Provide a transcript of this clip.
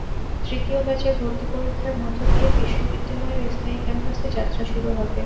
তৃতীয় ব্যাচের ভর্তি পরীক্ষার মধ্য দিয়ে বিশ্ববিদ্যালয়ের স্থায়ী ক্যাম্পাসে যাত্রা শুরু হবে।